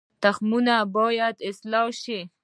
تخمونه باید اصلاح شي